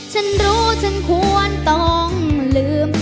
ฉันรู้ฉันควรต้องลืม